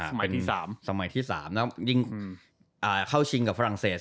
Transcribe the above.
สมัยที่สามสมัยที่สามแล้วยิ่งอ่าเข้าชิงกับฝรั่งเศส